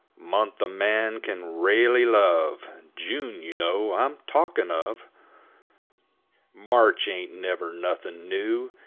Month a man kin railly love June, you know, I'm talkin' of! 8 March ain't never nothin' new